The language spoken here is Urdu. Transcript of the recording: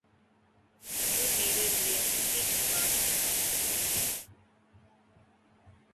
یہ میرے لیے خوشی کی بات ہے۔